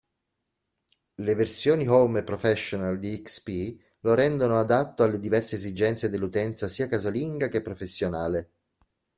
Le versioni Home e Professional di XP, lo rendono adatto alle diverse esigenze dell'utenza sia casalinga che professionale.